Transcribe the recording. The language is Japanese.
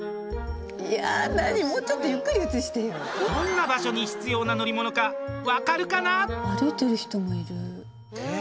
どんな場所に必要な乗り物か分かるかな？